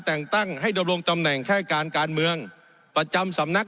แต่งตั้งให้ดำรงตำแหน่งค่ายการการเมืองประจำสำนัก